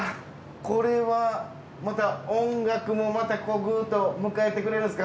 これはまた音楽もまたグーッと迎えてくれるんですか？